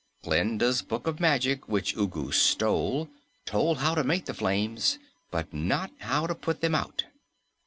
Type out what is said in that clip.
Glinda's Book of Magic which Ugu stole told how to make the flames, but not how to put them out."